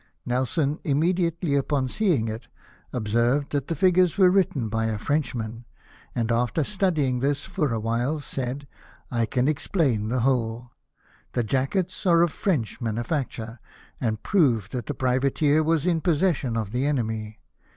Nelson, im mediately upon seeing it, observed that the figures were written by a Frenchman ; and after studying this for a while, said :" I can explain the whole. The jackets are of French manufacture, and prove that the priva teer was in possession of the enemy.